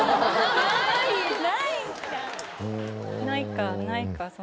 ないかないか